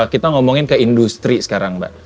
kita ngomongin ke industri sekarang mbak